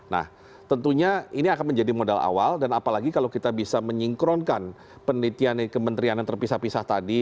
nah tentunya ini akan menjadi modal awal dan apalagi kalau kita bisa menyingkronkan penelitian kementerian yang terpisah pisah tadi